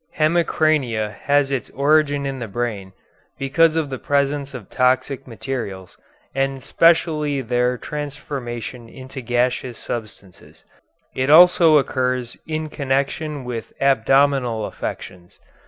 Hemicrania has its origin in the brain, because of the presence of toxic materials, and specially their transformation into gaseous substances. It also occurs in connection with abdominal affections.